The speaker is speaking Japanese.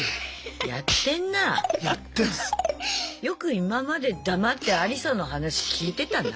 よく今まで黙ってアリサの話聞いてたな。